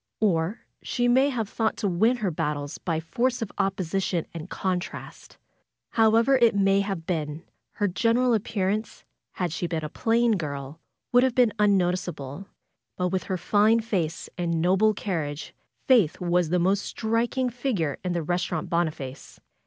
Or she may have thought to win her battles by the force of opposition and contrast. However it may have been, her general appearance, had she been a plain girl, would have been unnoticeable, but with her fine face and noble carriage Faith was the most striking figure in the Resturant Boniface.